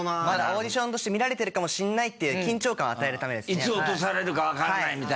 まだオーディションとして見られてるかもしれないっていう緊張感を与えるためですねやっぱり。